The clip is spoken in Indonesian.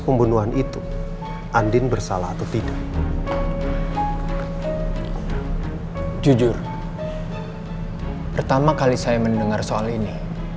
pembunuhan itu andin bersalah atau tidak jujur pertama kali saya mendengar soal ini